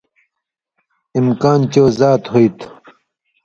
اِمکان چو زات ہُوی تُھو۔